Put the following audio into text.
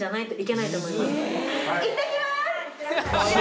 いってきます。